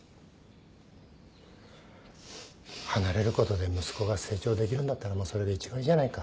離れることで息子が成長できるんだったらそれが一番いいじゃないか。